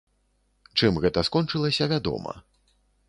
Чым гэта скончылася, вядома.